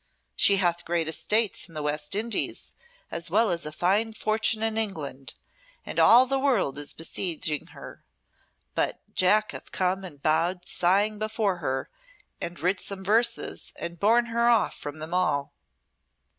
She hath great estates in the West Indies, as well as a fine fortune in England and all the world is besieging her; but Jack hath come and bowed sighing before her, and writ some verses, and borne her off from them all."